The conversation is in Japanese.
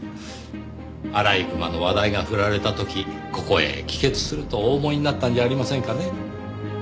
アライグマの話題が振られた時ここへ帰結するとお思いになったんじゃありませんかね？